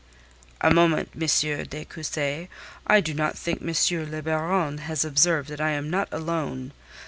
"A moment, M. de Cussy. I do not think M. le Baron has observed that I am not alone.